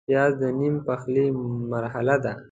پیاز د نیم پخلي مرحله ده